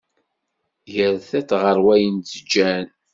Ger tiṭ ɣer wayen d-ǧǧan